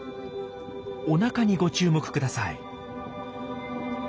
おなかにご注目ください。